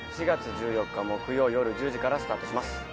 ４月１４日木曜夜１０時からスタートします。